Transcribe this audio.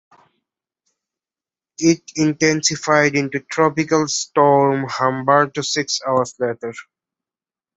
It intensified into Tropical Storm Humberto six hours later.